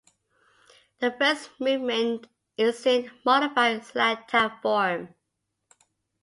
The first movement is in modified sonata form.